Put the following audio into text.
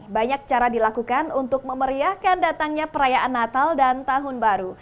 banyak cara dilakukan untuk memeriahkan datangnya perayaan natal dan tahun baru